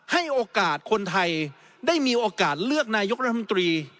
ให้โอกาสคนไทยได้มีโอกาสเลือกนายกรัฐมนตรี